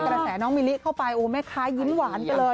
กระแสน้องมิลิเข้าไปโอ้แม่ค้ายิ้มหวานไปเลย